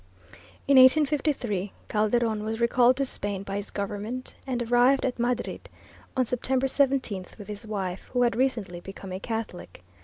In 1853 Calderon was recalled to Spain by his government and arrived at Madrid on September 17th with his wife, who had recently become a Catholic.